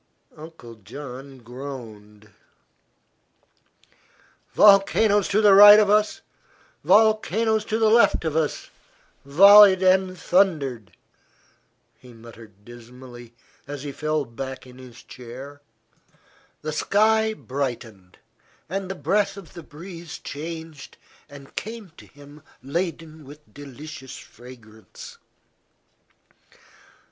Uncle John groaned. "Volcanoes to right of us, volcanoes to left of us volleyed and thundered," he muttered dismally, as he fell back in his chair. The sky brightened, and the breath of the breeze changed and came to him laden with delicious fragrance.